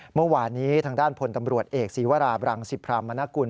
เมื่อวานนี้ทางด้านพลตำรวจเอกศีวราบรังสิพรามนกุล